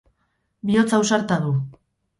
Bihotz ausarta du.